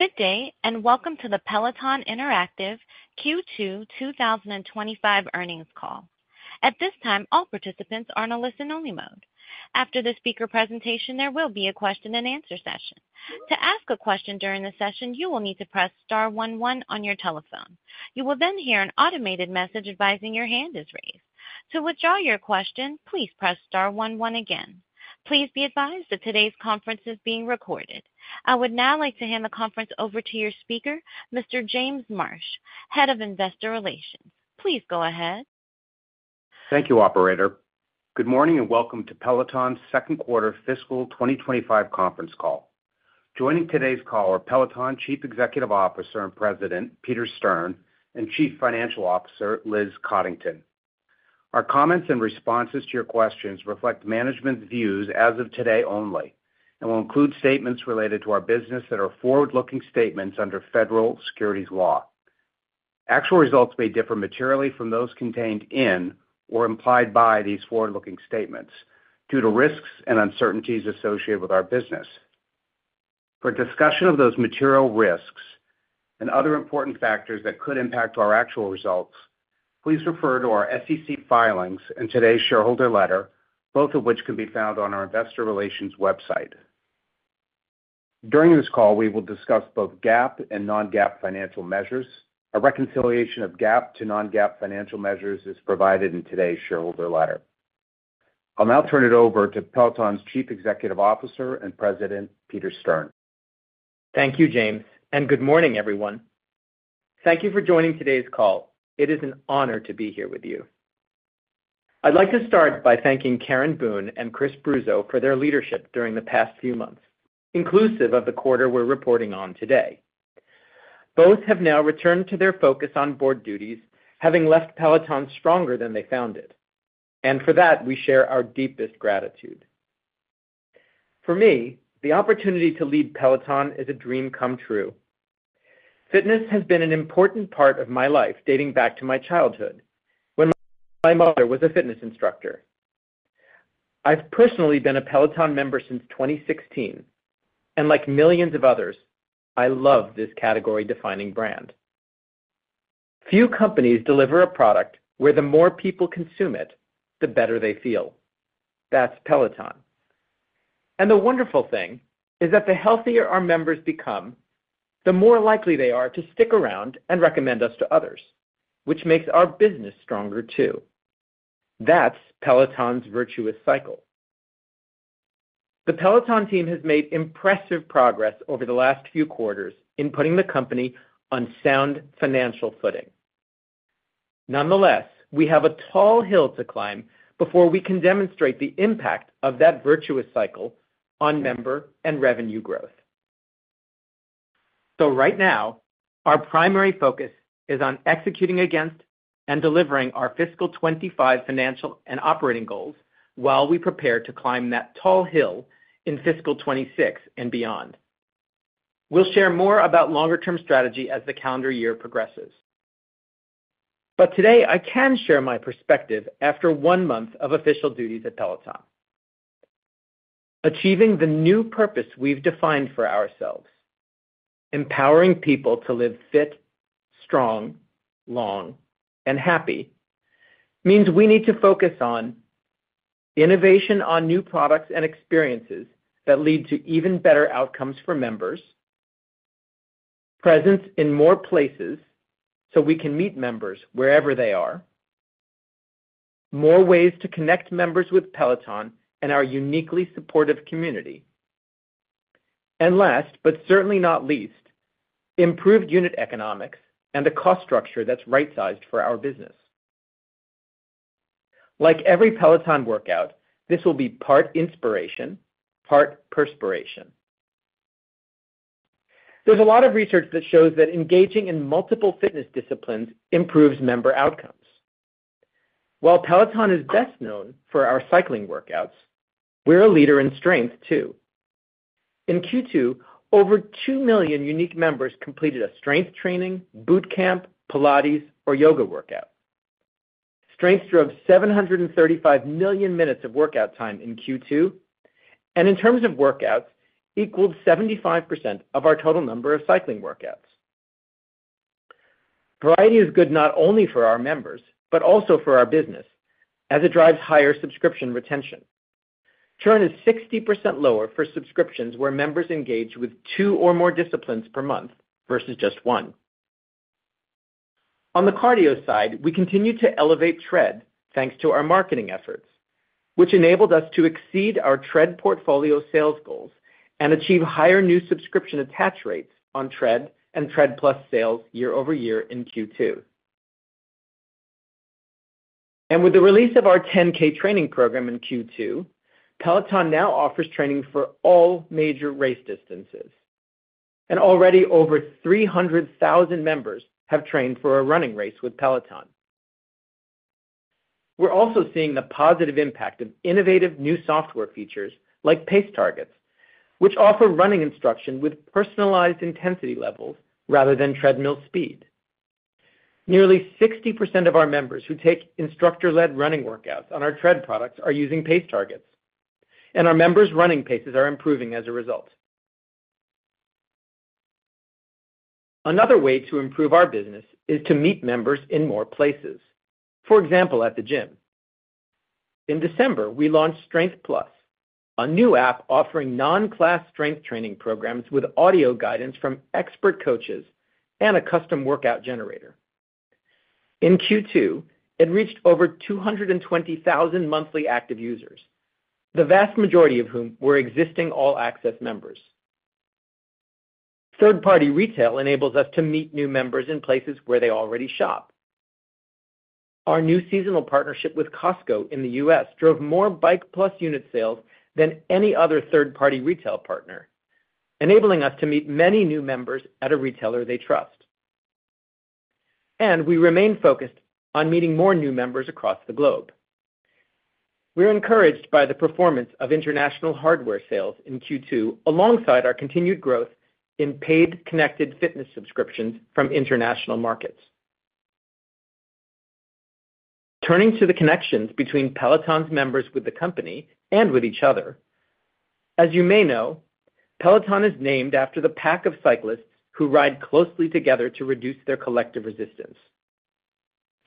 Good day, and welcome to the Peloton Interactive Q2 2025 Earnings Call. At this time, all participants are in a listen-only mode. After the speaker presentation, there will be a question-and-answer session. To ask a question during the session, you will need to press star one one on your telephone. You will then hear an automated message advising your hand is raised. To withdraw your question, please press star 11 again. Please be advised that today's conference is being recorded. I would now like to hand the conference over to your speaker, Mr. James Marsh, Head of Investor Relations. Please go ahead. Thank you, Operator. Good morning and welcome to Peloton's Q2 Fiscal 2025 Conference Call. Joining today's call are Peloton Chief Executive Officer and President, Peter Stern, and Chief Financial Officer, Liz Coddington. Our comments and responses to your questions reflect management's views as of today only and will include statements related to our business that are forward-looking statements under federal securities law. Actual results may differ materially from those contained in or implied by these forward-looking statements due to risks and uncertainties associated with our business. For discussion of those material risks and other important factors that could impact our actual results, please refer to our SEC filings and today's shareholder letter, both of which can be found on our investor relations website. During this call, we will discuss both GAAP and non-GAAP financial measures. A reconciliation of GAAP to non-GAAP financial measures is provided in today's shareholder letter. I'll now turn it over to Peloton's Chief Executive Officer and President, Peter Stern. Thank you, James, and good morning, everyone. Thank you for joining today's call. It is an honor to be here with you. I'd like to start by thanking Karen Boone and Chris Bruzzo for their leadership during the past few months, inclusive of the quarter we're reporting on today. Both have now returned to their focus on board duties, having left Peloton stronger than they found it, and for that, we share our deepest gratitude. For me, the opportunity to lead Peloton is a dream come true. Fitness has been an important part of my life dating back to my childhood when my mother was a fitness instructor. I've personally been a Peloton member since 2016, and like millions of others, I love this category-defining brand. Few companies deliver a product where the more people consume it, the better they feel. That's Peloton. The wonderful thing is that the healthier our members become, the more likely they are to stick around and recommend us to others, which makes our business stronger too. That's Peloton's virtuous cycle. The Peloton team has made impressive progress over the last few quarters in putting the company on sound financial footing. Nonetheless, we have a tall hill to climb before we can demonstrate the impact of that virtuous cycle on member and revenue growth. Right now, our primary focus is on executing against and delivering our fiscal 2025 financial and operating goals while we prepare to climb that tall hill in fiscal 2026 and beyond. We'll share more about longer-term strategy as the calendar year progresses. But today, I can share my perspective after one month of official duties at Peloton. Achieving the new purpose we've defined for ourselves, empowering people to live fit, strong, long, and happy, means we need to focus on innovation on new products and experiences that lead to even better outcomes for members, presence in more places so we can meet members wherever they are, more ways to connect members with Peloton and our uniquely supportive community, and last but certainly not least, improved unit economics and a cost structure that's right-sized for our business. Like every Peloton workout, this will be part inspiration, part perspiration. There's a lot of research that shows that engaging in multiple fitness disciplines improves member outcomes. While Peloton is best known for our cycling workouts, we're a leader in strength too. In Q2, over two million unique members completed a strength training, boot camp, Pilates, or yoga workout. Strength drove 735 million minutes of workout time in Q2, and in terms of workouts, equaled 75% of our total number of cycling workouts. Variety is good not only for our members but also for our business, as it drives higher subscription retention. Churn is 60% lower for subscriptions where members engage with two or more disciplines per month versus just one. On the cardio side, we continue to elevate Tread thanks to our marketing efforts, which enabled us to exceed our Tread portfolio sales goals and achieve higher new subscription attach rates on Tread and Tread+ sales year over year in Q2, and with the release of our 10K training program in Q2, Peloton now offers training for all major race distances, and already over 300,000 members have trained for a running race with Peloton. We're also seeing the positive impact of innovative new software features like Pace Targets, which offer running instruction with personalized intensity levels rather than treadmill speed. Nearly 60% of our members who take instructor-led running workouts on our Tread products are using Pace Targets, and our members' running paces are improving as a result. Another way to improve our business is to meet members in more places, for example, at the gym. In December, we launched Strength+, a new app offering non-class strength training programs with audio guidance from expert coaches and a custom workout generator. In Q2, it reached over 220,000 monthly active users, the vast majority of whom were existing All Access members. Third-party retail enables us to meet new members in places where they already shop. Our new seasonal partnership with Costco in the U.S. drove more Bike+ unit sales than any other third-party retail partner, enabling us to meet many new members at a retailer they trust. And we remain focused on meeting more new members across the globe. We're encouraged by the performance of international hardware sales in Q2 alongside our continued growth in paid connected fitness subscriptions from international markets. Turning to the connections between Peloton's members with the company and with each other, as you may know, Peloton is named after the pack of cyclists who ride closely together to reduce their collective resistance.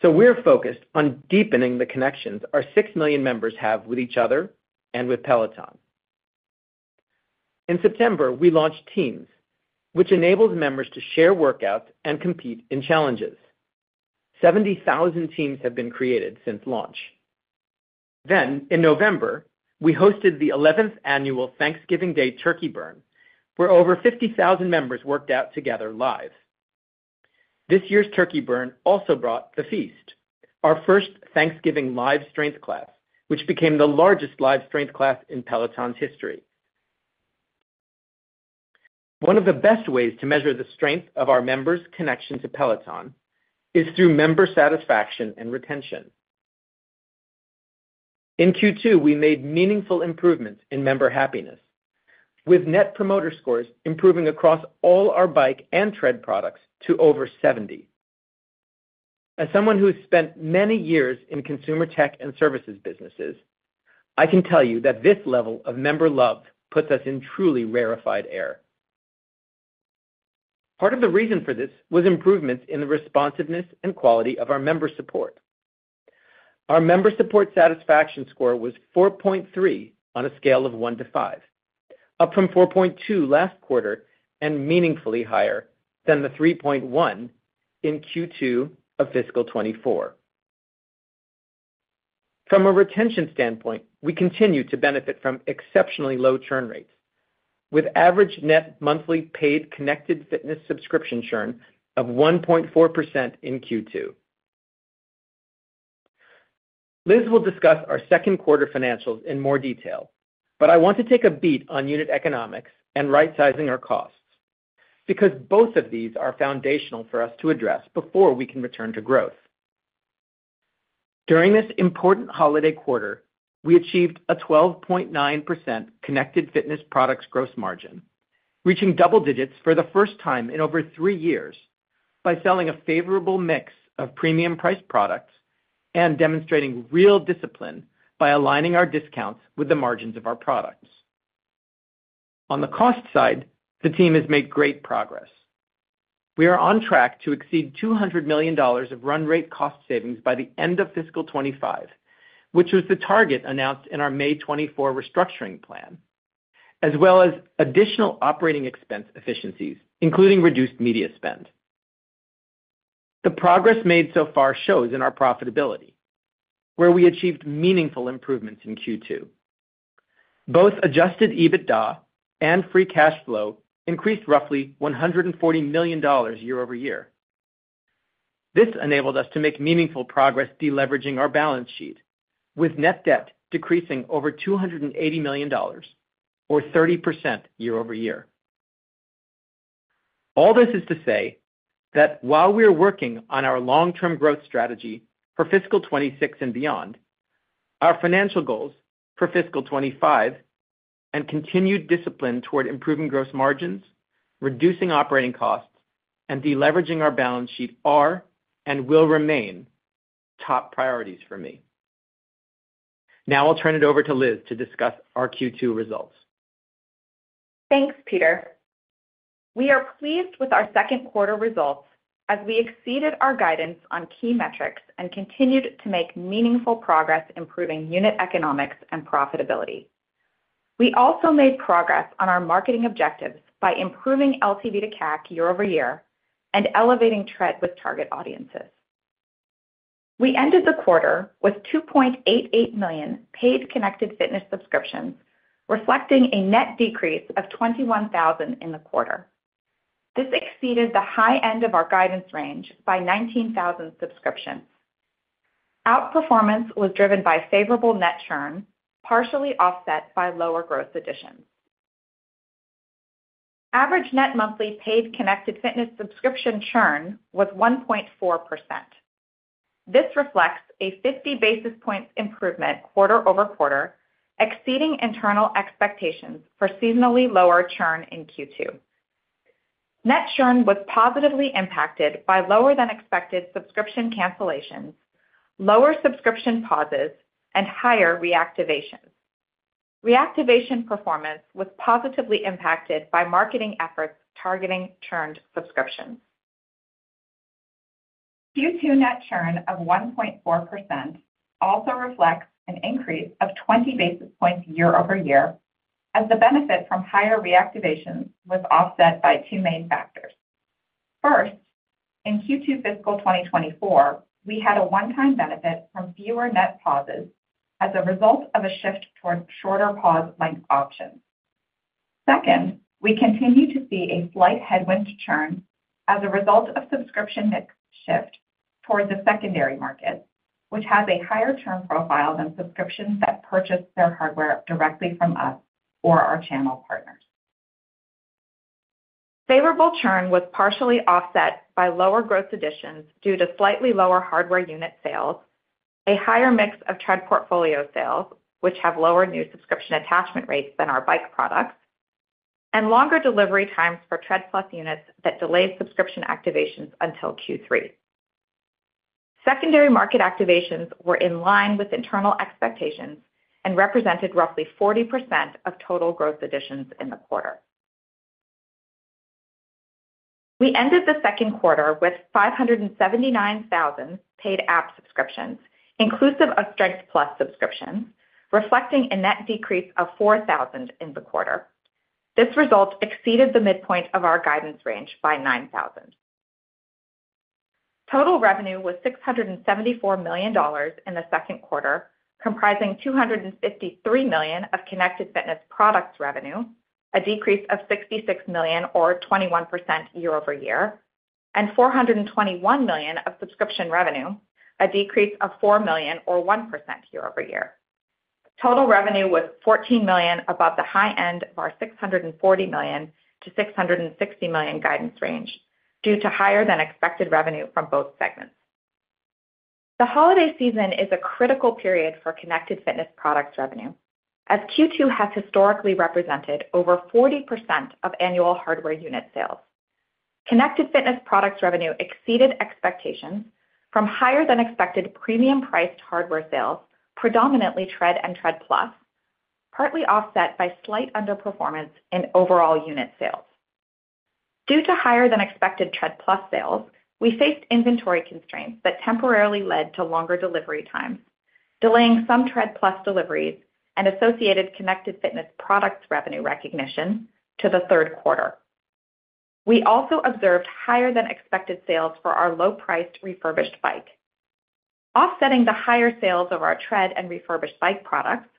So we're focused on deepening the connections our six million members have with each other and with Peloton. In September, we launched Teams, which enables members to share workouts and compete in challenges. 70,000 Teams have been created since launch. Then, in November, we hosted the 11th annual Thanksgiving Day Turkey Burn, where over 50,000 members worked out together live. This year's Turkey Burn also brought the Feast, our first Thanksgiving live strength class, which became the largest live strength class in Peloton's history. One of the best ways to measure the strength of our members' connection to Peloton is through member satisfaction and retention. In Q2, we made meaningful improvements in member happiness, with net promoter scores improving across all our Bike and Tread products to over 70. As someone who has spent many years in consumer tech and services businesses, I can tell you that this level of member love puts us in truly rarefied air. Part of the reason for this was improvements in the responsiveness and quality of our member support. Our member support satisfaction score was 4.3 on a scale of 1 to 5, up from 4.2 last quarter and meaningfully higher than the 3.1 in Q2 of fiscal 2024. From a retention standpoint, we continue to benefit from exceptionally low churn rates, with average net monthly paid connected fitness subscription churn of 1.4% in Q2. Liz will discuss our Q2 financials in more detail, but I want to take a beat on unit economics and right-sizing our costs because both of these are foundational for us to address before we can return to growth. During this important holiday quarter, we achieved a 12.9% connected fitness products gross margin, reaching double digits for the first time in over three years by selling a favorable mix of premium-priced products and demonstrating real discipline by aligning our discounts with the margins of our products. On the cost side, the team has made great progress. We are on track to exceed $200 million of run rate cost savings by the end of fiscal 2025, which was the target announced in our May 2024 restructuring plan, as well as additional operating expense efficiencies, including reduced media spend. The progress made so far shows in our profitability, where we achieved meaningful improvements in Q2. Both Adjusted EBITDA and Free Cash Flow increased roughly $140 million year over year. This enabled us to make meaningful progress deleveraging our balance sheet, with net debt decreasing over $280 million, or 30% year over year. All this is to say that while we're working on our long-term growth strategy for fiscal 2026 and beyond, our financial goals for fiscal 2025 and continued discipline toward improving gross margins, reducing operating costs, and deleveraging our balance sheet are and will remain top priorities for me. Now I'll turn it over to Liz to discuss our Q2 results. Thanks, Peter. We are pleased with our Q2 results as we exceeded our guidance on key metrics and continued to make meaningful progress improving unit economics and profitability. We also made progress on our marketing objectives by improving LTV to CAC year over year and elevating Tread with target audiences. We ended the quarter with 2.88 million paid connected fitness subscriptions, reflecting a net decrease of 21,000 in the quarter. This exceeded the high end of our guidance range by 19,000 subscriptions. Outperformance was driven by favorable net churn, partially offset by lower gross additions. Average net monthly paid connected fitness subscription churn was 1.4%. This reflects a 50 basis points improvement quarter over quarter, exceeding internal expectations for seasonally lower churn in Q2. Net churn was positively impacted by lower-than-expected subscription cancellations, lower subscription pauses, and higher reactivations. Reactivation performance was positively impacted by marketing efforts targeting churned subscriptions. Q2 net churn of 1.4% also reflects an increase of 20 basis points year over year, as the benefit from higher reactivations was offset by two main factors. First, in Q2 fiscal 2024, we had a one-time benefit from fewer net pauses as a result of a shift toward shorter pause length options. Second, we continue to see a slight headwind to churn as a result of subscription mix shift toward the secondary market, which has a higher churn profile than subscriptions that purchase their hardware directly from us or our channel partners. Favorable churn was partially offset by lower gross additions due to slightly lower hardware unit sales, a higher mix of Tread portfolio sales, which have lower new subscription attachment rates than our Bike products, and longer delivery times for Tread+ units that delayed subscription activations until Q3. Secondary market activations were in line with internal expectations and represented roughly 40% of total gross additions in the quarter. We ended the Q2 with 579,000 paid App subscriptions, inclusive of Strength+ subscriptions, reflecting a net decrease of 4,000 in the quarter. This result exceeded the midpoint of our guidance range by 9,000. Total revenue was $674 million in the Q2, comprising $253 million of connected fitness products revenue, a decrease of $66 million, or 21% year over year, and $421 million of subscription revenue, a decrease of $4 million, or 1% year over year. Total revenue was $14 million above the high end of our $640 million-$660 million guidance range due to higher-than-expected revenue from both segments. The holiday season is a critical period for connected fitness products revenue, as Q2 has historically represented over 40% of annual hardware unit sales. Connected fitness products revenue exceeded expectations from higher-than-expected premium-priced hardware sales, predominantly Tread and Tread+, partly offset by slight underperformance in overall unit sales. Due to higher-than-expected Tread+ sales, we faced inventory constraints that temporarily led to longer delivery times, delaying some Tread+ deliveries and associated connected fitness products revenue recognition to the Q3. We also observed higher-than-expected sales for our low-priced refurbished Bike. Offsetting the higher sales of our Tread and refurbished Bike products,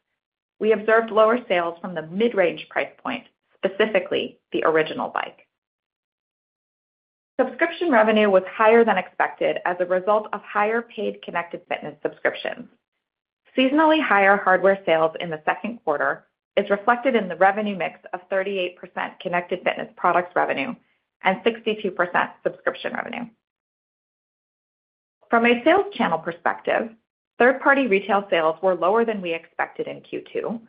we observed lower sales from the mid-range price point, specifically the original Bike. Subscription revenue was higher than expected as a result of higher paid connected fitness subscriptions. Seasonally higher hardware sales in the Q2 is reflected in the revenue mix of 38% connected fitness products revenue and 62% subscription revenue. From a sales channel perspective, third-party retail sales were lower than we expected in Q2,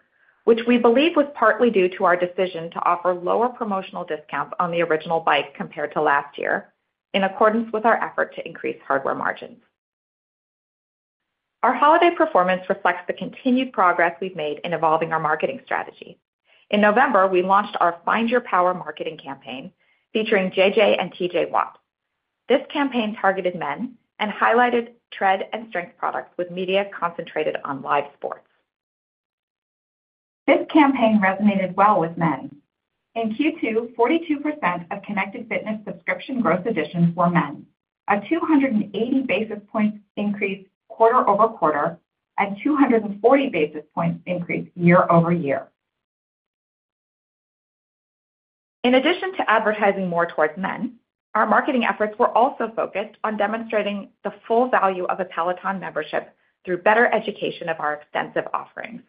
which we believe was partly due to our decision to offer lower promotional discounts on the original bike compared to last year, in accordance with our effort to increase hardware margins. Our holiday performance reflects the continued progress we've made in evolving our marketing strategy. In November, we launched our Find Your Power marketing campaign featuring JJ and TJ Watt. This campaign targeted men and highlighted tread and strength products with media concentrated on live sports. This campaign resonated well with men. In Q2, 42% of connected fitness subscription gross additions were men, a 280 basis points increase quarter over quarter and 240 basis points increase year over year. In addition to advertising more towards men, our marketing efforts were also focused on demonstrating the full value of a Peloton membership through better education of our extensive offerings.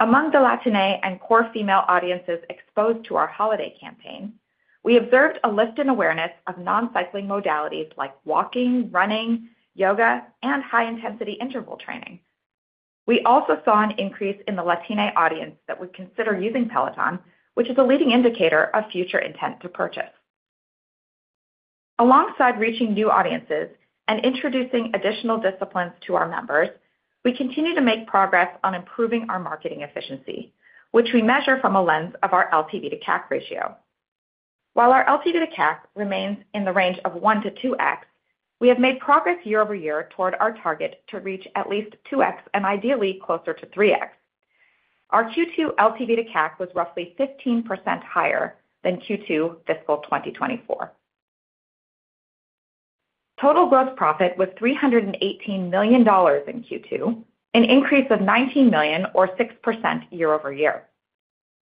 Among the Latine and core female audiences exposed to our holiday campaign, we observed a lift in awareness of non-cycling modalities like walking, running, yoga, and high-intensity interval training. We also saw an increase in the Latine audience that would consider using Peloton, which is a leading indicator of future intent to purchase. Alongside reaching new audiences and introducing additional disciplines to our members, we continue to make progress on improving our marketing efficiency, which we measure from a lens of our LTV to CAC ratio. While our LTV to CAC remains in the range of 1x to 2x, we have made progress year over year toward our target to reach at least 2x and ideally closer to 3x. Our Q2 LTV to CAC was roughly 15% higher than Q2 fiscal 2024. Total gross profit was $318 million in Q2, an increase of $19 million, or 6% year over year.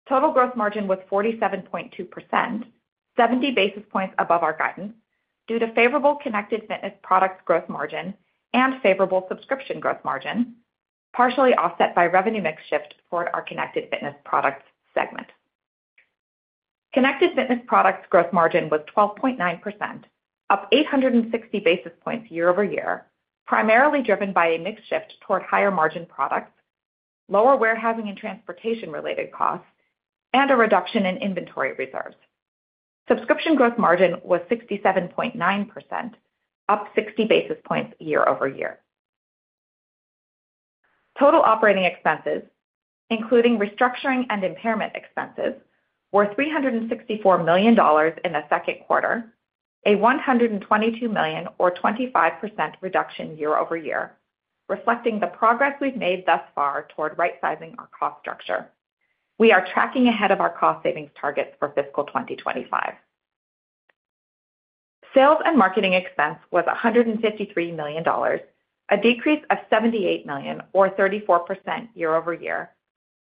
Total gross margin was 47.2%, 70 basis points above our guidance due to favorable connected fitness products gross margin and favorable subscription gross margin, partially offset by revenue mix shift toward our connected fitness products segment. Connected fitness products gross margin was 12.9%, up 860 basis points year over year, primarily driven by a mix shift toward higher margin products, lower warehousing and transportation-related costs, and a reduction in inventory reserves. Subscription gross margin was 67.9%, up 60 basis points year over year. Total operating expenses, including restructuring and impairment expenses, were $364 million in the Q2, a $122 million, or 25% reduction year over year, reflecting the progress we've made thus far toward right-sizing our cost structure. We are tracking ahead of our cost savings targets for fiscal 2025. Sales and marketing expense was $153 million, a decrease of $78 million, or 34% year over year,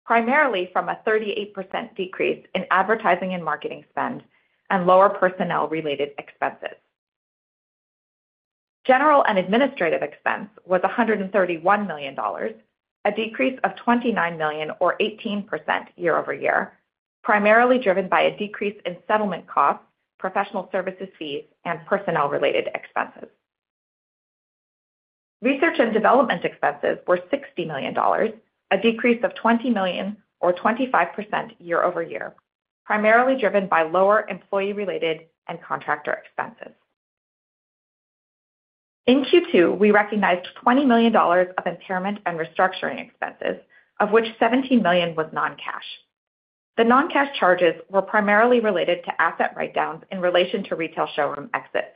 primarily from a 38% decrease in advertising and marketing spend and lower personnel-related expenses. General and administrative expense was $131 million, a decrease of $29 million, or 18% year over year, primarily driven by a decrease in settlement costs, professional services fees, and personnel-related expenses. Research and development expenses were $60 million, a decrease of $20 million, or 25% year over year, primarily driven by lower employee-related and contractor expenses. In Q2, we recognized $20 million of impairment and restructuring expenses, of which $17 million was non-cash. The non-cash charges were primarily related to asset write-downs in relation to retail showroom exits.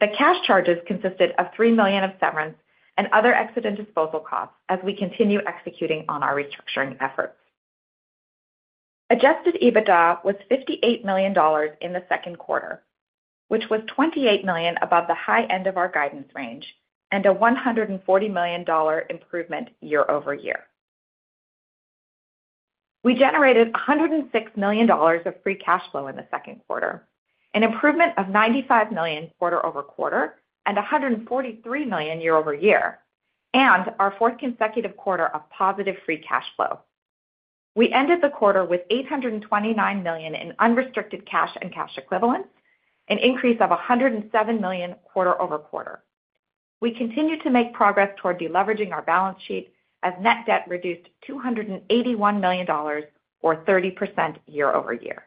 The cash charges consisted of $3 million of severance and other exit and disposal costs as we continue executing on our restructuring efforts. Adjusted EBITDA was $58 million in the Q2, which was $28 million above the high end of our guidance range and a $140 million improvement year over year. We generated $106 million of free cash flow in the Q2, an improvement of $95 million quarter-over-quarter and $143 million year-over-year, and our fourth consecutive quarter of positive free cash flow. We ended the quarter with $829 million in unrestricted cash and cash equivalents, an increase of $107 million quarter over quarter. We continued to make progress toward deleveraging our balance sheet as net debt reduced $281 million, or 30% year over year.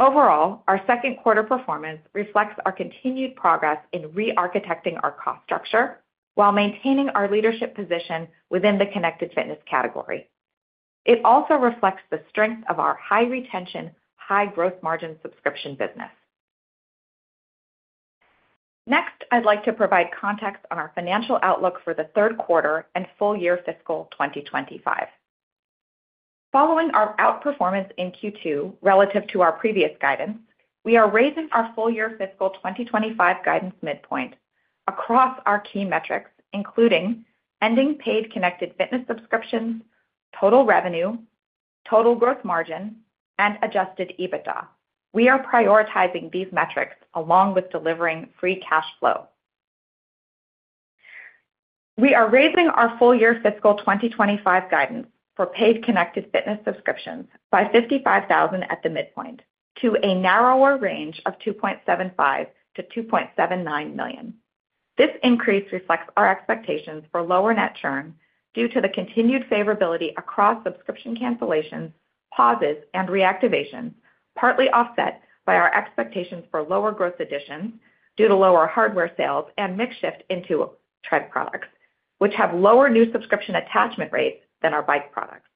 Overall, our Q2 performance reflects our continued progress in re-architecting our cost structure while maintaining our leadership position within the Connected Fitness category. It also reflects the strength of our high-retention, high-growth margin subscription business. Next, I'd like to provide context on our financial outlook for the Q3 and full year fiscal 2025. Following our outperformance in Q2 relative to our previous guidance, we are raising our full year fiscal 2025 guidance midpoint across our key metrics, including ending paid Connected Fitness subscriptions, total revenue, total gross margin, and Adjusted EBITDA. We are prioritizing these metrics along with delivering Free Cash Flow. We are raising our full year fiscal 2025 guidance for paid connected fitness subscriptions by $55,000 at the midpoint to a narrower range of $2.75-$2.79 million. This increase reflects our expectations for lower net churn due to the continued favorability across subscription cancellations, pauses, and reactivations, partly offset by our expectations for lower gross additions due to lower hardware sales and mix shift into tread products, which have lower new subscription attachment rates than our Bike products.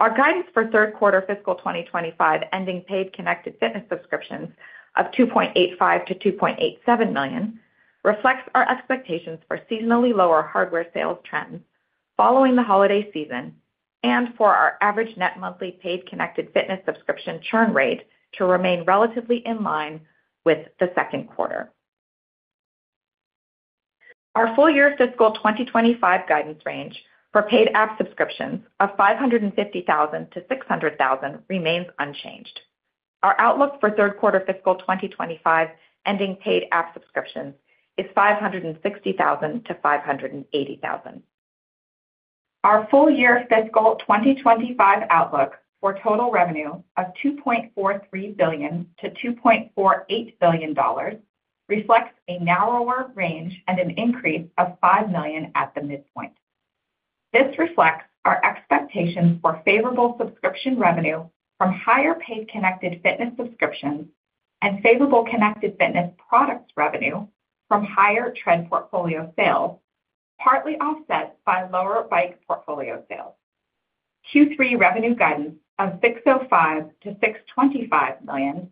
Our guidance for Q3 fiscal 2025 ending paid connected fitness subscriptions of $2.85-$2.87 million reflects our expectations for seasonally lower hardware sales trends following the holiday season and for our average net monthly paid connected fitness subscription churn rate to remain relatively in line with the Q2. Our full year fiscal 2025 guidance range for paid app subscriptions of $550,000-$600,000 remains unchanged. Our outlook for Q3 fiscal 2025 ending paid app subscriptions is $560,000-$580,000. Our full year fiscal 2025 outlook for total revenue of $2.43 billion-$2.48 billion reflects a narrower range and an increase of $5 million at the midpoint. This reflects our expectations for favorable subscription revenue from higher paid connected fitness subscriptions and favorable connected fitness products revenue from higher tread portfolio sales, partly offset by lower bike portfolio sales. Q3 revenue guidance of $605 million-$625 million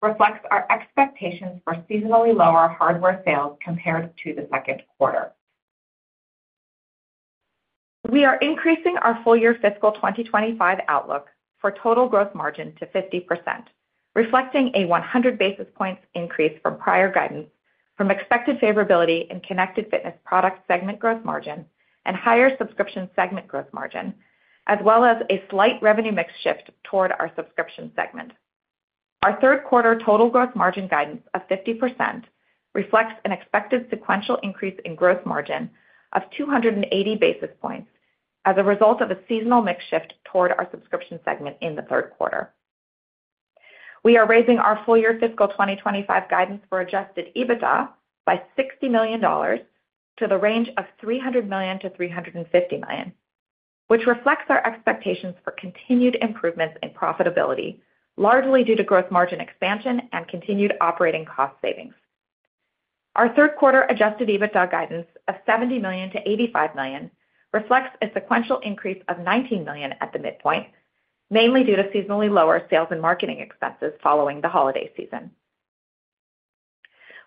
reflects our expectations for seasonally lower hardware sales compared to the Q2. We are increasing our full year fiscal 2025 outlook for total gross margin to 50%, reflecting a 100 basis points increase from prior guidance from expected favorability in connected fitness product segment gross margin and higher subscription segment gross margin, as well as a slight revenue mix shift toward our subscription segment. Our Q3 total gross margin guidance of 50% reflects an expected sequential increase in gross margin of 280 basis points as a result of a seasonal mix shift toward our subscription segment in the Q3. We are raising our full year fiscal 2025 guidance for Adjusted EBITDA by $60 million to the range of $300 million-$350 million, which reflects our expectations for continued improvements in profitability, largely due to gross margin expansion and continued operating cost savings. Our Q3 adjusted EBITDA guidance of $70 million-$85 million reflects a sequential increase of $19 million at the midpoint, mainly due to seasonally lower sales and marketing expenses following the holiday season.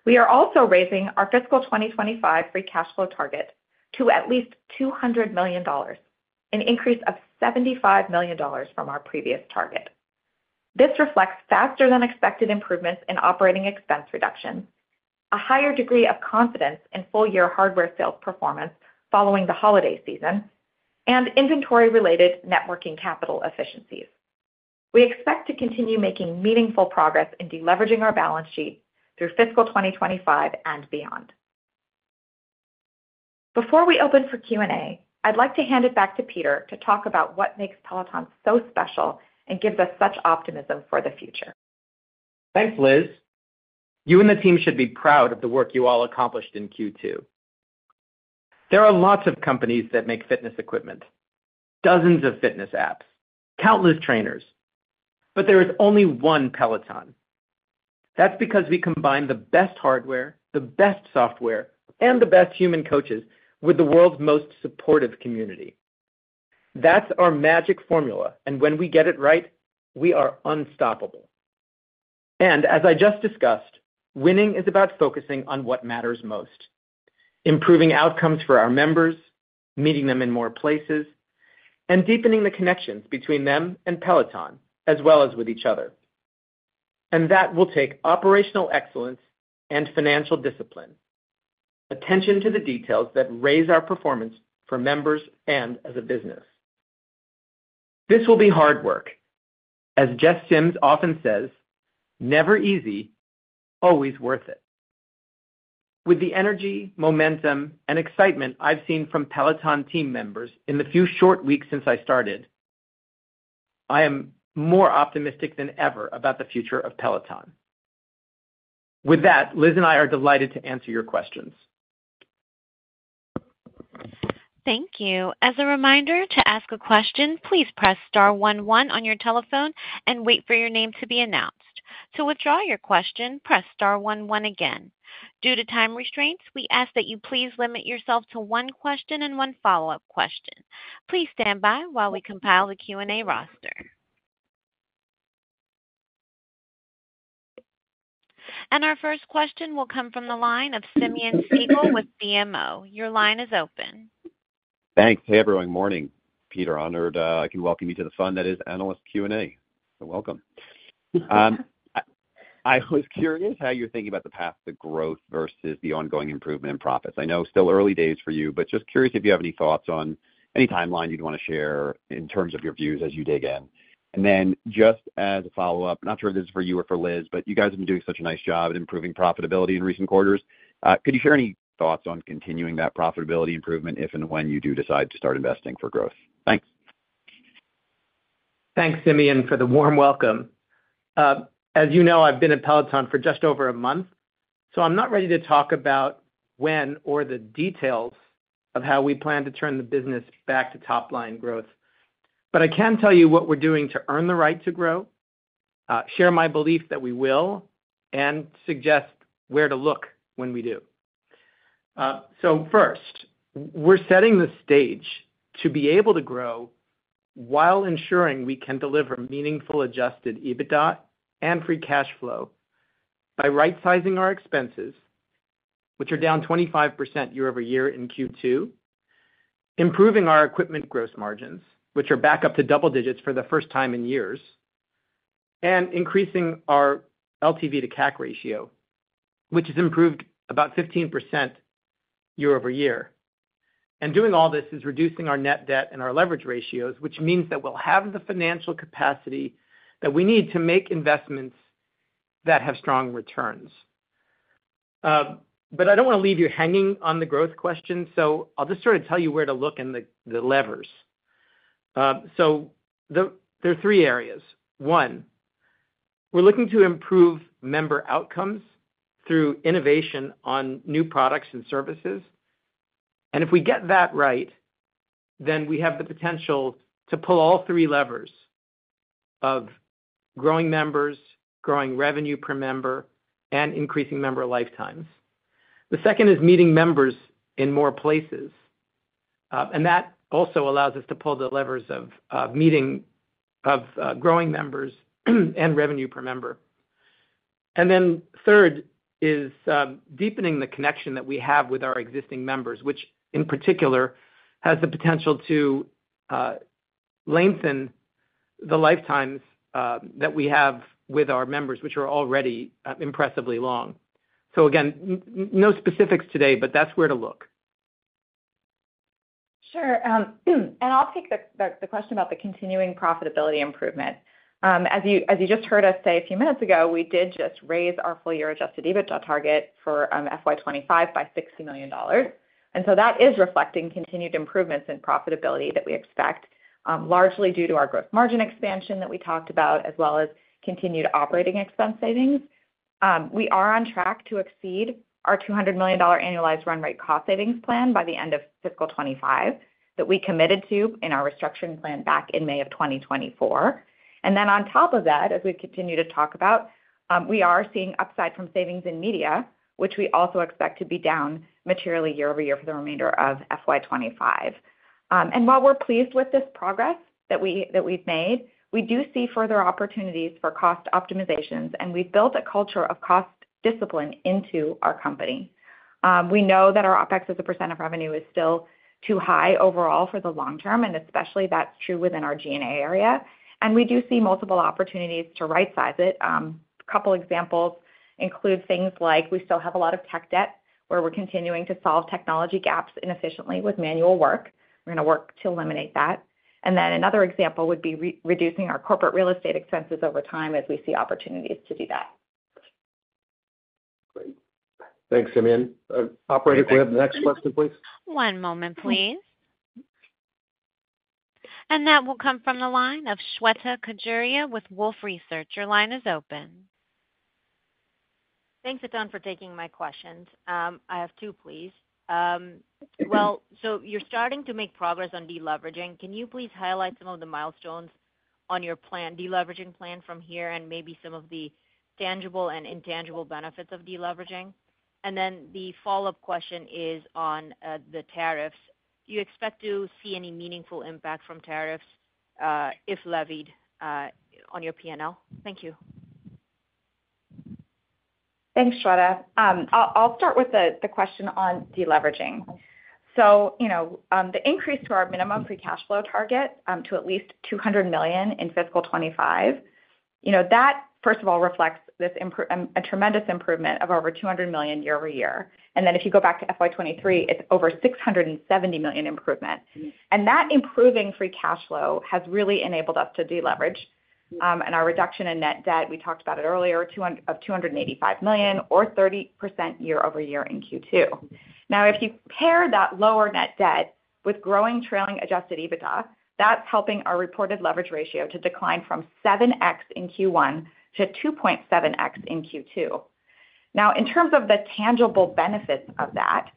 We are also raising our fiscal 2025 free cash flow target to at least $200 million, an increase of $75 million from our previous target. This reflects faster-than-expected improvements in operating expense reduction, a higher degree of confidence in full-year hardware sales performance following the holiday season, and inventory-related working capital efficiencies. We expect to continue making meaningful progress in deleveraging our balance sheet through fiscal 2025 and beyond. Before we open for Q&A, I'd like to hand it back to Peter to talk about what makes Peloton so special and gives us such optimism for the future. Thanks, Liz. You and the team should be proud of the work you all accomplished in Q2. There are lots of companies that make fitness equipment, dozens of fitness apps, countless trainers, but there is only one Peloton. That's because we combine the best hardware, the best software, and the best human coaches with the world's most supportive community. That's our magic formula, and when we get it right, we are unstoppable. As I just discussed, winning is about focusing on what matters most: improving outcomes for our members, meeting them in more places, and deepening the connections between them and Peloton, as well as with each other. That will take operational excellence and financial discipline, attention to the details that raise our performance for members and as a business. This will be hard work. As Jess Sims often says, "Never easy, always worth it." With the energy, momentum, and excitement I've seen from Peloton team members in the few short weeks since I started, I am more optimistic than ever about the future of Peloton. With that, Liz and I are delighted to answer your questions. Thank you. As a reminder, to ask a question, please press star one one on your telephone and wait for your name to be announced. To withdraw your question, press star one one again. Due to time restraints, we ask that you please limit yourself to one question and one follow-up question. Please stand by while we compile the Q&A roster. And our first question will come from the line of Simeon Siegel with BMO. Your line is open. Thanks. Hey, everyone. Good morning, Peter. I'm honored I can welcome you to the fun that is analyst Q&A. So welcome. I was curious how you're thinking about the path to growth versus the ongoing improvement in profits. I know it's still early days for you, but just curious if you have any thoughts on any timeline you'd want to share in terms of your views as you dig in. And then just as a follow-up, not sure if this is for you or for Liz, but you guys have been doing such a nice job at improving profitability in recent quarters. Could you share any thoughts on continuing that profitability improvement if and when you do decide to start investing for growth? Thanks. Thanks, Simeon, for the warm welcome. As you know, I've been at Peloton for just over a month, so I'm not ready to talk about when or the details of how we plan to turn the business back to top-line growth. But I can tell you what we're doing to earn the right to grow, share my belief that we will, and suggest where to look when we do. So first, we're setting the stage to be able to grow while ensuring we can deliver meaningful Adjusted EBITDA and Free Cash Flow by right-sizing our expenses, which are down 25% year over year in Q2, improving our equipment gross margins, which are back up to double digits for the first time in years, and increasing our LTV to CAC ratio, which has improved about 15% year over year. And doing all this is reducing our net debt and our leverage ratios, which means that we'll have the financial capacity that we need to make investments that have strong returns. But I don't want to leave you hanging on the growth question, so I'll just sort of tell you where to look in the levers. So there are three areas. One, we're looking to improve member outcomes through innovation on new products and services. And if we get that right, then we have the potential to pull all three levers of growing members, growing revenue per member, and increasing member lifetimes. The second is meeting members in more places. And that also allows us to pull the levers of growing members and revenue per member. And then third is deepening the connection that we have with our existing members, which in particular has the potential to lengthen the lifetimes that we have with our members, which are already impressively long. So again, no specifics today, but that's where to look. Sure. And I'll take the question about the continuing profitability improvement. As you just heard us say a few minutes ago, we did just raise our full year Adjusted EBITDA target for FY25 by $60 million. And so that is reflecting continued improvements in profitability that we expect, largely due to our gross margin expansion that we talked about, as well as continued operating expense savings. We are on track to exceed our $200 million annualized run rate cost savings plan by the end of fiscal 2025 that we committed to in our restructuring plan back in May of 2024. And then on top of that, as we continue to talk about, we are seeing upside from savings in media, which we also expect to be down materially year over year for the remainder of FY 2025. And while we're pleased with this progress that we've made, we do see further opportunities for cost optimizations, and we've built a culture of cost discipline into our company. We know that our OpEx as a % of revenue is still too high overall for the long term, and especially that's true within our G&A area, and we do see multiple opportunities to right-size it. A couple of examples include things like we still have a lot of tech debt where we're continuing to solve technology gaps inefficiently with manual work. We're going to work to eliminate that, and then another example would be reducing our corporate real estate expenses over time as we see opportunities to do that. Great. Thanks, Simeon. Operator, could we have the next question, please? One moment, please, and that will come from the line of Shweta Khajuria with Wolfe Research. Your line is open. Thanks, Don, for taking my questions. I have two, please. Well, so you're starting to make progress on deleveraging. Can you please highlight some of the milestones on your deleveraging plan from here and maybe some of the tangible and intangible benefits of deleveraging? And then the follow-up question is on the tariffs. Do you expect to see any meaningful impact from tariffs if levied on your P&L? Thank you. Thanks, Shweta. I'll start with the question on deleveraging. So the increase to our minimum free cash flow target to at least $200 million in fiscal 25, that, first of all, reflects a tremendous improvement of over $200 million year over year. And then if you go back to FY23, it's over $670 million improvement. And that improving free cash flow has really enabled us to deleverage. And our reduction in net debt, we talked about it earlier, of $285 million, or 30% year over year in Q2. Now, if you pair that lower net debt with growing trailing Adjusted EBITDA, that's helping our reported leverage ratio to decline from 7x in Q1 to 2.7x in Q2. Now, in terms of the tangible benefits of that,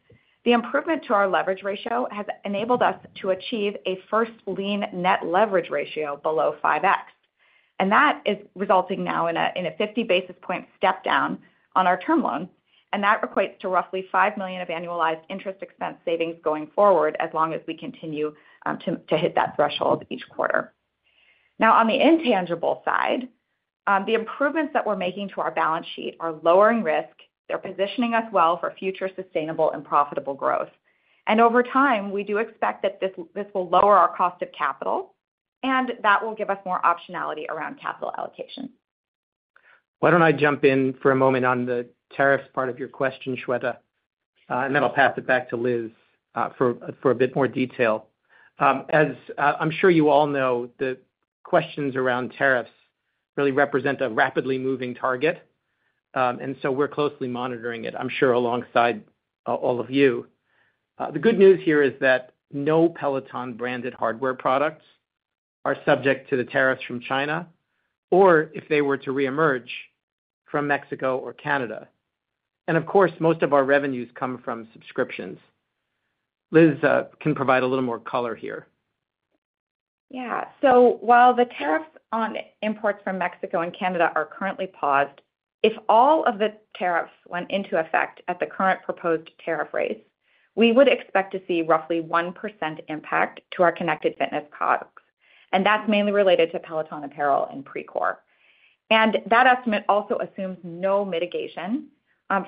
the improvement to our leverage ratio has enabled us to achieve a first lien net leverage ratio below 5x. And that is resulting now in a 50 basis points step down on our term loan. And that equates to roughly $5 million of annualized interest expense savings going forward as long as we continue to hit that threshold each quarter. Now, on the intangible side, the improvements that we're making to our balance sheet are lowering risk. They're positioning us well for future sustainable and profitable growth. And over time, we do expect that this will lower our cost of capital, and that will give us more optionality around capital allocation. Why don't I jump in for a moment on the tariffs part of your question, Shweta? And then I'll pass it back to Liz for a bit more detail. As I'm sure you all know, the questions around tariffs really represent a rapidly moving target. And so we're closely monitoring it, I'm sure, alongside all of you. The good news here is that no Peloton branded hardware products are subject to the tariffs from China or if they were to reemerge from Mexico or Canada. And of course, most of our revenues come from subscriptions. Liz can provide a little more color here. Yeah. So while the tariffs on imports from Mexico and Canada are currently paused, if all of the tariffs went into effect at the current proposed tariff rate, we would expect to see roughly 1% impact to our connected fitness COGS. That's mainly related to Peloton apparel and Precor. That estimate also assumes no mitigation.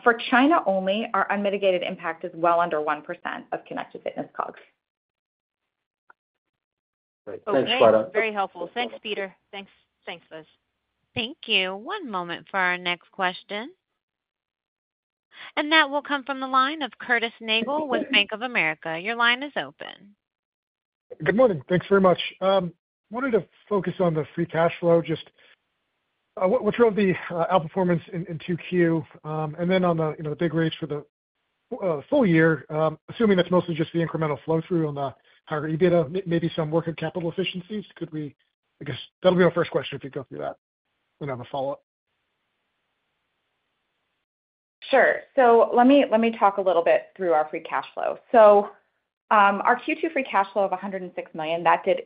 For China only, our unmitigated impact is well under 1% of connected fitness COGS. Thanks, Shweta. Thank you. That was very helpful. Thanks, Peter. Thanks, Liz. Thank you. One moment for our next question. That will come from the line of Curtis Nagle with Bank of America. Your line is open. Good morning. Thanks very much. I wanted to focus on the free cash flow. Just what's really the outperformance in Q2? Then on the guidance for the full year, assuming that's mostly just the incremental flow-through on the higher EBITDA, maybe some working capital efficiencies. I guess that'll be my first question if you go through that and I'll have a follow-up. Sure. Let me talk a little bit through our free cash flow. Our Q2 Free Cash Flow of $106 million did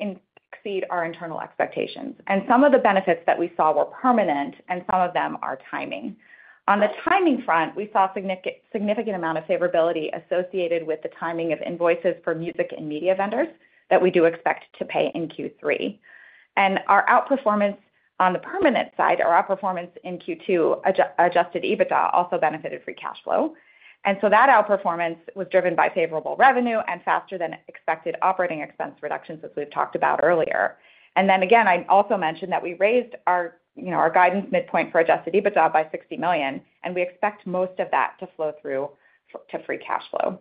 exceed our internal expectations. Some of the benefits that we saw were permanent, and some of them are timing. On the timing front, we saw a significant amount of favorability associated with the timing of invoices for music and media vendors that we do expect to pay in Q3. Our outperformance on the permanent side, our outperformance in Q2 Adjusted EBITDA, also benefited Free Cash Flow. That outperformance was driven by favorable revenue and faster-than-expected operating expense reductions, as we've talked about earlier. Then again, I also mentioned that we raised our guidance midpoint for Adjusted EBITDA by $60 million, and we expect most of that to flow through to Free Cash Flow.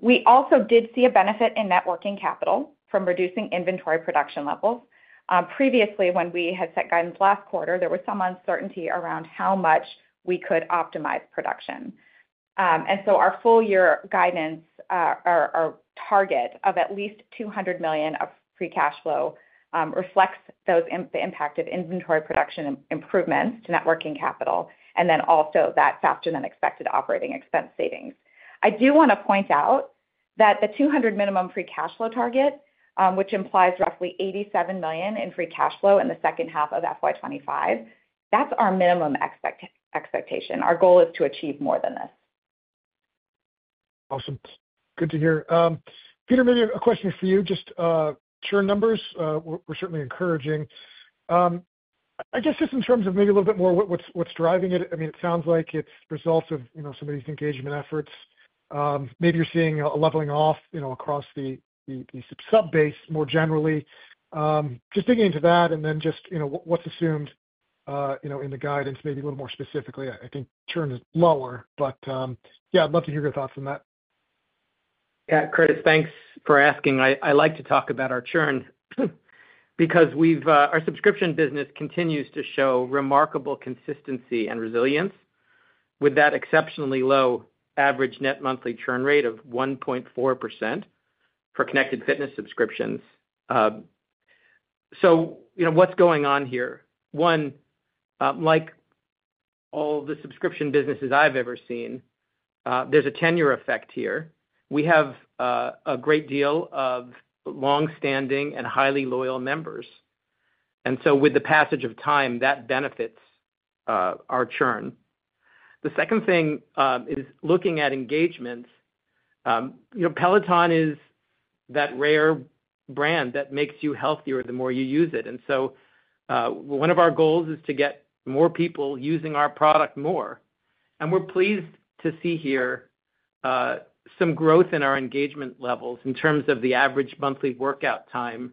We also did see a benefit in working capital from reducing inventory production levels. Previously, when we had set guidance last quarter, there was some uncertainty around how much we could optimize production. And so our full year guidance, our target of at least $200 million of free cash flow reflects the impact of inventory production improvements to net working capital and then also that faster-than-expected operating expense savings. I do want to point out that the $200 minimum free cash flow target, which implies roughly $87 million in free cash flow in the second half of FY25, that's our minimum expectation. Our goal is to achieve more than this. Awesome. Good to hear. Peter, maybe a question for you, just member numbers were certainly encouraging. I guess just in terms of maybe a little bit more what's driving it. I mean, it sounds like it's the result of some of these engagement efforts. Maybe you're seeing a leveling off across the subscriber base more generally. Just digging into that and then just what's assumed in the guidance, maybe a little more specifically. I think churn is lower, but yeah, I'd love to hear your thoughts on that. Yeah, Curtis, thanks for asking. I like to talk about our churn because our subscription business continues to show remarkable consistency and resilience with that exceptionally low average net monthly churn rate of 1.4% for connected fitness subscriptions. So what's going on here? One, like all the subscription businesses I've ever seen, there's a tenure effect here. We have a great deal of long-standing and highly loyal members, and so with the passage of time, that benefits our churn. The second thing is looking at engagements. Peloton is that rare brand that makes you healthier the more you use it, and so one of our goals is to get more people using our product more. We're pleased to see here some growth in our engagement levels in terms of the average monthly workout time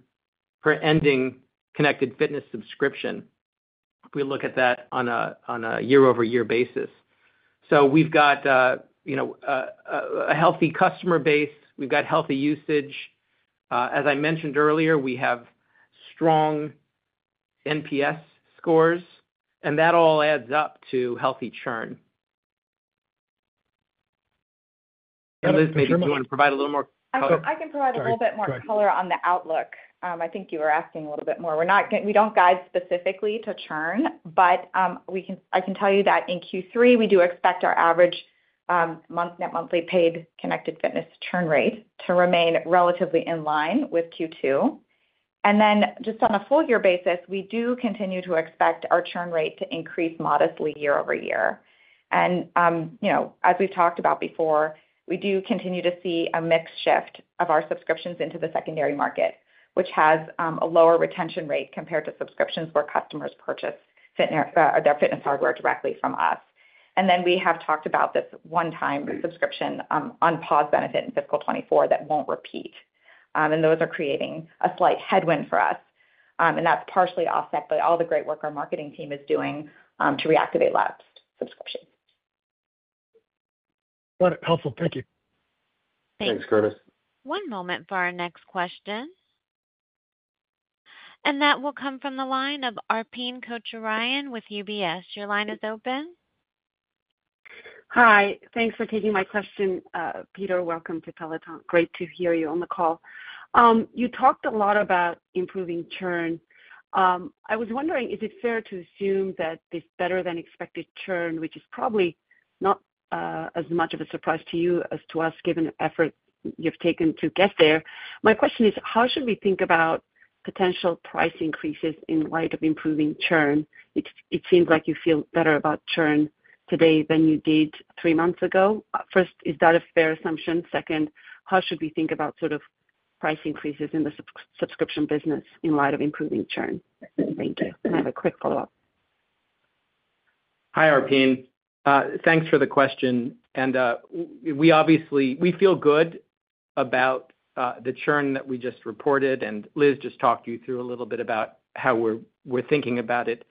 for ending connected fitness subscription if we look at that on a year-over-year basis. We've got a healthy customer base. We've got healthy usage. As I mentioned earlier, we have strong NPS scores, and that all adds up to healthy churn. Liz, maybe you want to provide a little more color? I can provide a little bit more color on the outlook. I think you were asking a little bit more. We don't guide specifically to churn, but I can tell you that in Q3, we do expect our average net monthly paid connected fitness churn rate to remain relatively in line with Q2. Just on a full year basis, we do continue to expect our churn rate to increase modestly year over year. And as we've talked about before, we do continue to see a mix shift of our subscriptions into the secondary market, which has a lower retention rate compared to subscriptions where customers purchase their fitness hardware directly from us. And then we have talked about this one-time subscription on pause benefit in fiscal 2024 that won't repeat. And those are creating a slight headwind for us. And that's partially offset by all the great work our marketing team is doing to reactivate lapsed subscriptions. Helpful. Thank you. Thanks, Curtis. One moment for our next question. And that will come from the line of Arpine Kocharyan with UBS. Your line is open. Hi. Thanks for taking my question, Peter. Welcome to Peloton. Great to hear you on the call. You talked a lot about improving churn. I was wondering, is it fair to assume that this better-than-expected churn, which is probably not as much of a surprise to you as to us given the effort you've taken to get there? My question is, how should we think about potential price increases in light of improving churn? It seems like you feel better about churn today than you did three months ago. First, is that a fair assumption? Second, how should we think about sort of price increases in the subscription business in light of improving churn? Thank you. I have a quick follow-up. Hi, Arpine. Thanks for the question, and we feel good about the churn that we just reported, and Liz just talked you through a little bit about how we're thinking about it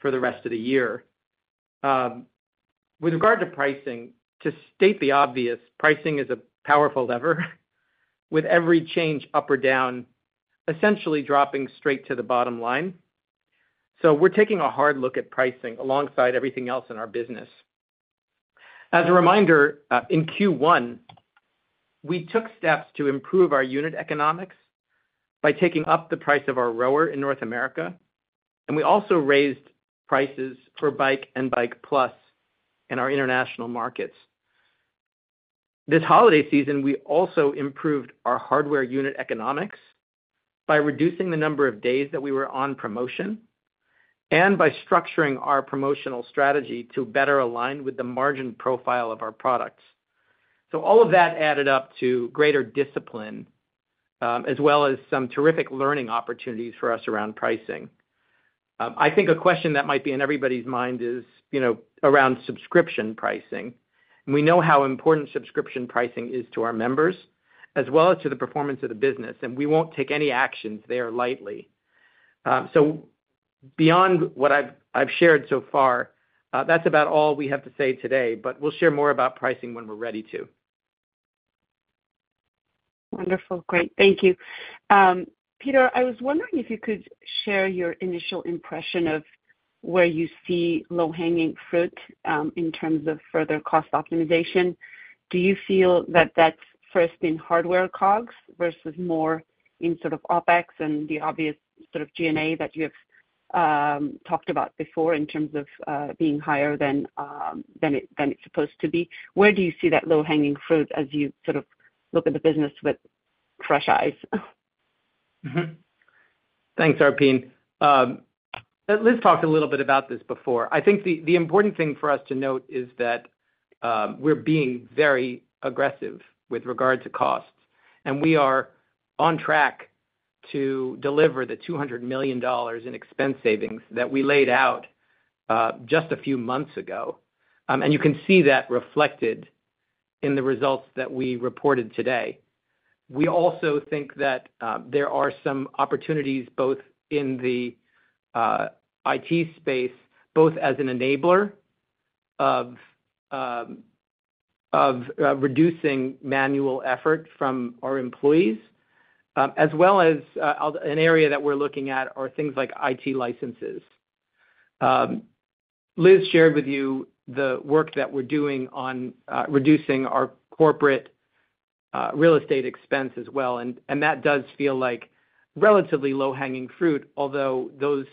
for the rest of the year. With regard to pricing, to state the obvious, pricing is a powerful lever with every change up or down essentially dropping straight to the bottom line. So we're taking a hard look at pricing alongside everything else in our business. As a reminder, in Q1, we took steps to improve our unit economics by taking up the price of our rower in North America. And we also raised prices for Bike and Bike+ in our international markets. This holiday season, we also improved our hardware unit economics by reducing the number of days that we were on promotion and by structuring our promotional strategy to better align with the margin profile of our products. So all of that added up to greater discipline as well as some terrific learning opportunities for us around pricing. I think a question that might be in everybody's mind is around subscription pricing. We know how important subscription pricing is to our members as well as to the performance of the business, and we won't take any actions there lightly. So beyond what I've shared so far, that's about all we have to say today, but we'll share more about pricing when we're ready to. Wonderful. Great. Thank you. Peter, I was wondering if you could share your initial impression of where you see low-hanging fruit in terms of further cost optimization. Do you feel that that's first in hardware COGS versus more in sort of OpEx and the obvious sort of G&A that you have talked about before in terms of being higher than it's supposed to be? Where do you see that low-hanging fruit as you sort of look at the business with fresh eyes? Thanks, Arpine. Liz talked a little bit about this before. I think the important thing for us to note is that we're being very aggressive with regard to costs, and we are on track to deliver the $200 million in expense savings that we laid out just a few months ago, and you can see that reflected in the results that we reported today. We also think that there are some opportunities both in the IT space, both as an enabler of reducing manual effort from our employees, as well as an area that we're looking at are things like IT licenses. Liz shared with you the work that we're doing on reducing our corporate real estate expense as well, and that does feel like relatively low-hanging fruit, although those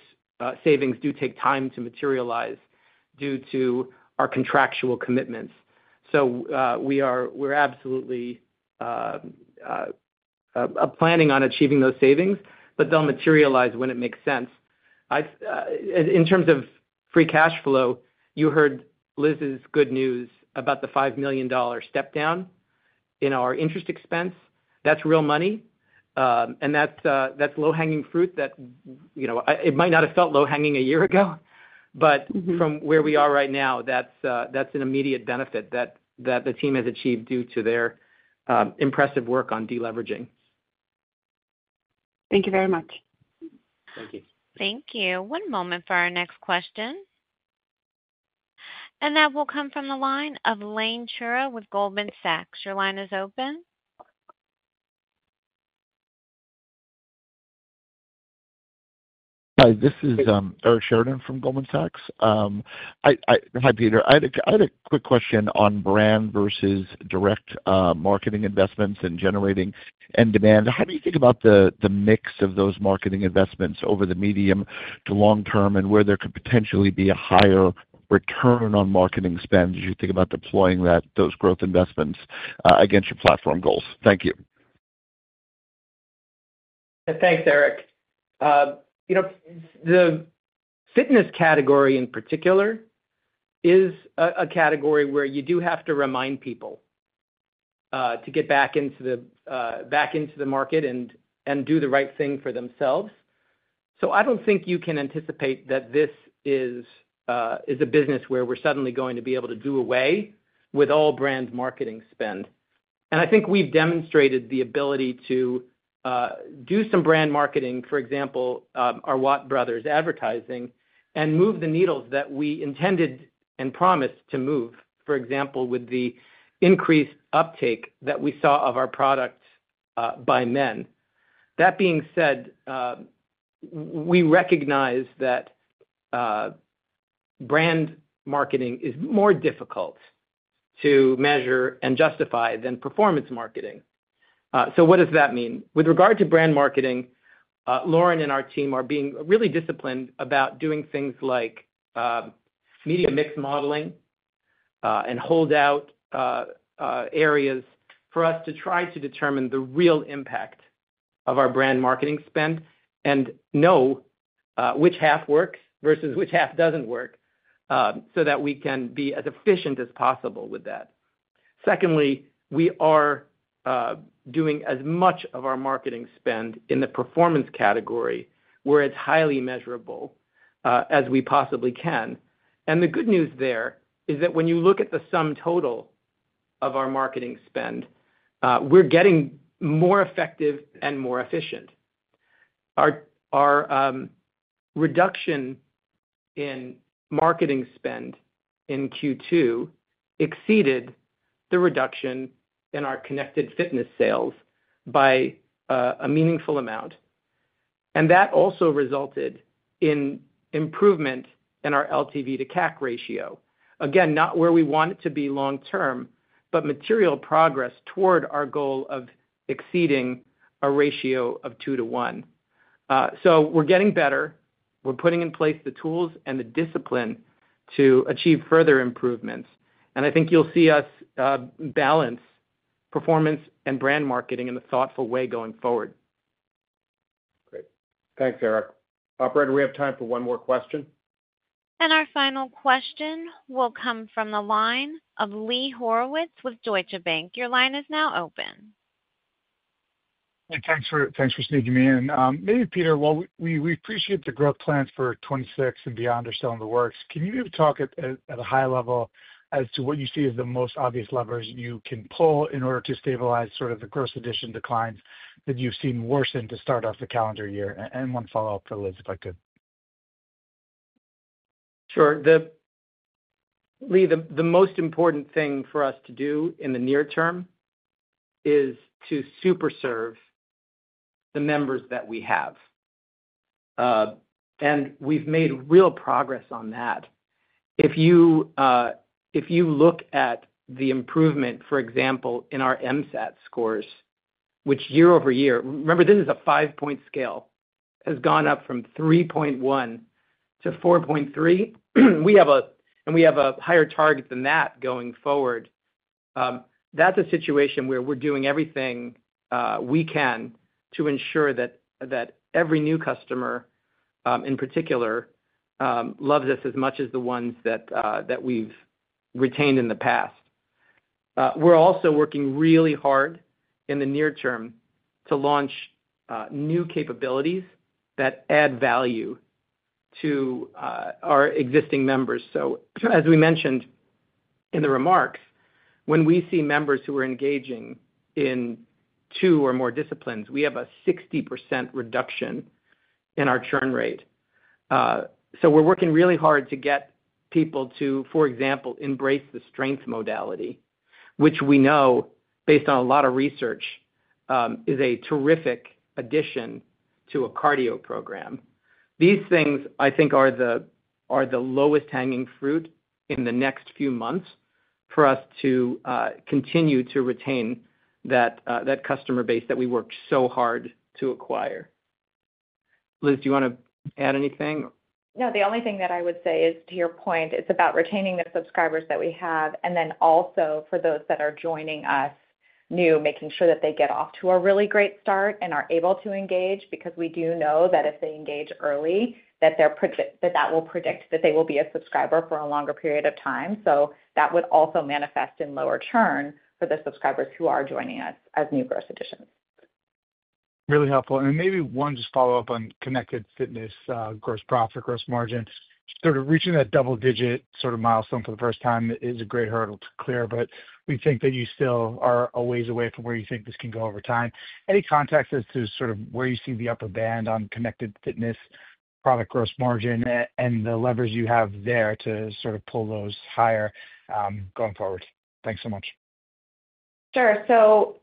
savings do take time to materialize due to our contractual commitments, so we're absolutely planning on achieving those savings, but they'll materialize when it makes sense. In terms of free cash flow, you heard Liz's good news about the $5 million step-down in our interest expense. That's real money, and that's low-hanging fruit that it might not have felt low-hanging a year ago, but from where we are right now, that's an immediate benefit that the team has achieved due to their impressive work on deleveraging. Thank you very much. Thank you. Thank you. One moment for our next question, and that will come from the line of Eric Sheridan with Goldman Sachs. Your line is open. Hi. This is Eric Sheridan from Goldman Sachs. Hi, Peter. I had a quick question on brand versus direct marketing investments and generating and demand. How do you think about the mix of those marketing investments over the medium to long term and where there could potentially be a higher return on marketing spend as you think about deploying those growth investments against your platform goals? Thank you. Thanks, Eric. The fitness category in particular is a category where you do have to remind people to get back into the market and do the right thing for themselves. So I don't think you can anticipate that this is a business where we're suddenly going to be able to do away with all brand marketing spend. And I think we've demonstrated the ability to do some brand marketing, for example, our Watt Brothers advertising, and move the needles that we intended and promised to move, for example, with the increased uptake that we saw of our product by men. That being said, we recognize that brand marketing is more difficult to measure and justify than performance marketing. So what does that mean? With regard to brand marketing, Lauren and our team are being really disciplined about doing things like media mix modeling and holdout areas for us to try to determine the real impact of our brand marketing spend and know which half works versus which half doesn't work so that we can be as efficient as possible with that. Secondly, we are doing as much of our marketing spend in the performance category where it's highly measurable as we possibly can. And the good news there is that when you look at the sum total of our marketing spend, we're getting more effective and more efficient. Our reduction in marketing spend in Q2 exceeded the reduction in our connected fitness sales by a meaningful amount. And that also resulted in improvement in our LTV to CAC ratio. Again, not where we want it to be long term, but material progress toward our goal of exceeding a ratio of two to one. So we're getting better. We're putting in place the tools and the discipline to achieve further improvements. And I think you'll see us balance performance and brand marketing in a thoughtful way going forward. Great. Thanks, Eric. Operator, we have time for one more question. And our final question will come from the line of Lee Horowitz with Deutsche Bank. Your line is now open. Thanks for sneaking me in. Maybe, Peter, while we appreciate the growth plans for 2026 and beyond are still in the works, can you maybe talk at a high level as to what you see as the most obvious levers you can pull in order to stabilize sort of the gross addition declines that you've seen worsen to start off the calendar year? And one follow-up for Liz, if I could. Sure. Lee, the most important thing for us to do in the near term is to super serve the members that we have. And we've made real progress on that. If you look at the improvement, for example, in our MSAT scores, which year over year (remember, this is a five-point scale) has gone up from 3.1 to 4.3, and we have a higher target than that going forward. That's a situation where we're doing everything we can to ensure that every new customer, in particular, loves us as much as the ones that we've retained in the past. We're also working really hard in the near term to launch new capabilities that add value to our existing members. So as we mentioned in the remarks, when we see members who are engaging in two or more disciplines, we have a 60% reduction in our churn rate. So we're working really hard to get people to, for example, embrace the strength modality, which we know, based on a lot of research, is a terrific addition to a cardio program. These things, I think, are the lowest-hanging fruit in the next few months for us to continue to retain that customer base that we worked so hard to acquire. Liz, do you want to add anything? No, the only thing that I would say is, to your point, it's about retaining the subscribers that we have, and then also for those that are joining us new, making sure that they get off to a really great start and are able to engage because we do know that if they engage early, that that will predict that they will be a subscriber for a longer period of time. So that would also manifest in lower churn for the subscribers who are joining us as new gross additions. Really helpful. And maybe one just follow-up on connected fitness, gross profit, gross margin. Sort of reaching that double-digit sort of milestone for the first time is a great hurdle to clear, but we think that you still are a ways away from where you think this can go over time. Any context as to sort of where you see the upper band on connected fitness, product gross margin, and the levers you have there to sort of pull those higher going forward? Thanks so much. Sure. So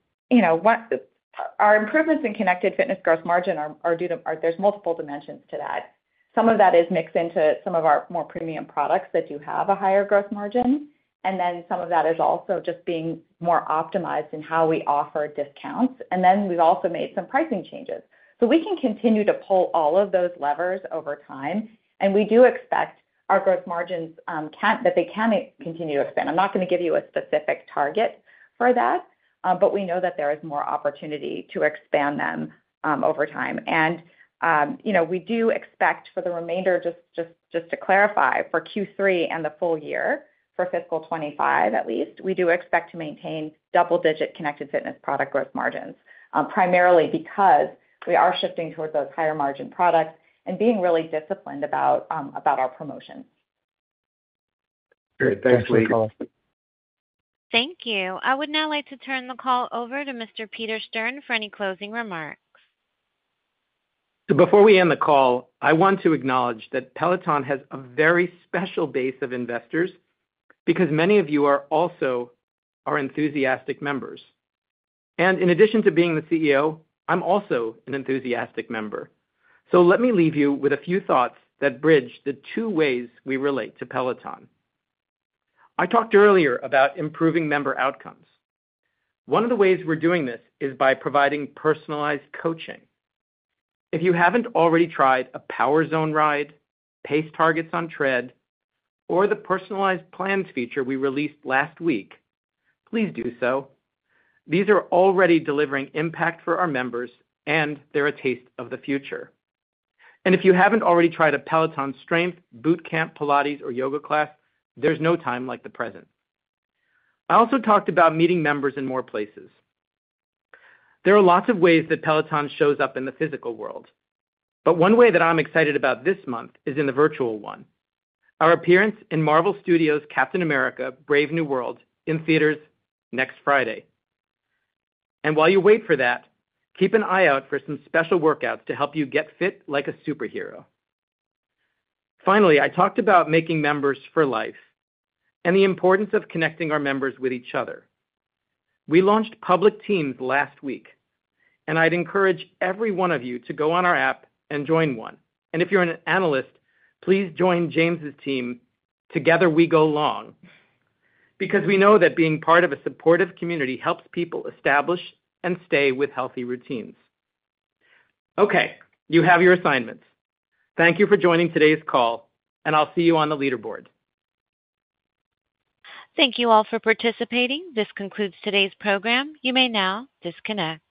our improvements in connected fitness gross margin are due to, there's multiple dimensions to that. Some of that is mixed into some of our more premium products that do have a higher gross margin. And then some of that is also just being more optimized in how we offer discounts. And then we've also made some pricing changes. So we can continue to pull all of those levers over time. And we do expect our gross margins that they can continue to expand. I'm not going to give you a specific target for that, but we know that there is more opportunity to expand them over time. And we do expect for the remainder, just to clarify, for Q3 and the full year, for fiscal 2025 at least, we do expect to maintain double-digit Connected Fitness product gross margins, primarily because we are shifting towards those higher margin products and being really disciplined about our promotions. Great. Thanks, Lee. Thank you. I would now like to turn the call over to Mr. Peter Stern for any closing remarks. Before we end the call, I want to acknowledge that Peloton has a very special base of investors because many of you are also our enthusiastic members. And in addition to being the CEO, I'm also an enthusiastic member. So let me leave you with a few thoughts that bridge the two ways we relate to Peloton. I talked earlier about improving member outcomes. One of the ways we're doing this is by providing personalized coaching. If you haven't already tried a Power Zone ride, Pace Targets on Tread, or the personalized plans feature we released last week, please do so. These are already delivering impact for our members, and they're a taste of the future. And if you haven't already tried a Peloton Strength, boot camp, Pilates, or Yoga class, there's no time like the present. I also talked about meeting members in more places. There are lots of ways that Peloton shows up in the physical world. But one way that I'm excited about this month is in the virtual one. Our appearance in Marvel Studios' Captain America: Brave New World, in theaters next Friday. And while you wait for that, keep an eye out for some special workouts to help you get fit like a superhero. Finally, I talked about making members for life and the importance of connecting our members with each other. We launched public teams last week, and I'd encourage every one of you to go on our app and join one, and if you're an analyst, please join James's team. Together, we go long because we know that being part of a supportive community helps people establish and stay with healthy routines. Okay. You have your assignments. Thank you for joining today's call, and I'll see you on the leaderboard. Thank you all for participating. This concludes today's program. You may now disconnect.